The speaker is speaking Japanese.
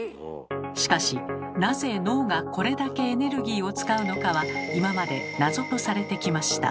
しかしなぜ脳がこれだけエネルギーを使うのかは今まで謎とされてきました。